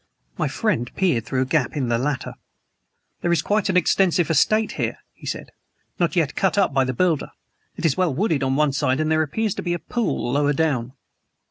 My friend peered through a gap in the latter. "There is quite an extensive estate here," he said, "not yet cut up by the builder. It is well wooded on one side, and there appears to be a pool lower down."